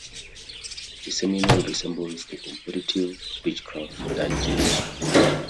The Seminole resembles the competitive Beechcraft Duchess.